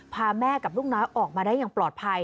พาแม่กับลูกน้อยออกมาได้อย่างปลอดภัย